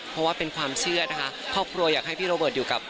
เพราะว่าเป็นความเชื่อนะคะครอบครัวอยากให้พี่โรเบิร์ตอยู่กับ